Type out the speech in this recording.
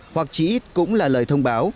hoặc chỉ ít cũng là lời thông báo